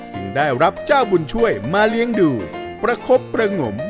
ได้รับเจ้าบุญช่วยมาเลี้ยงดูประคบประงม